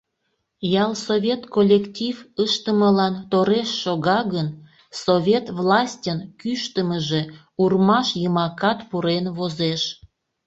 Ялсовет коллектив ыштымылан тореш шога гын, совет властьын кӱштымыжӧ урмаш йымакат пурен возеш.